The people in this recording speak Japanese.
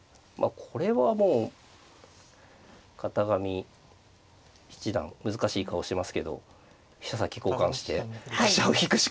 これはもう片上七段難しい顔してますけど飛車先交換して飛車を引くしか。